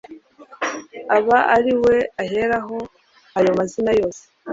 aba ariwe aheraho Ayo mazina yose